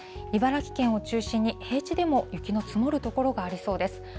茨城県を中心に、平地でも雪の積もる所がありそうです。